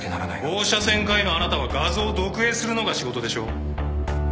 放射線科医のあなたは画像を読影するのが仕事でしょ